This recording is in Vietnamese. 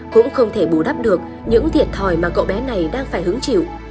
cũng không thể bù đắp được những thiệt thòi mà cậu bé này đang phải hứng chịu